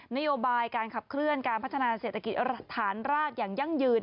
นโยบายการขับเคลื่อนการพัฒนาเศรษฐกิจฐานรากอย่างยั่งยืน